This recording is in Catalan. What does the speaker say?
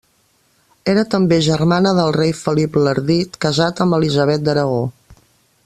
Era també germana del rei Felip l'Ardit casat amb Elisabet d'Aragó.